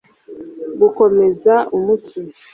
gukomeza umutsi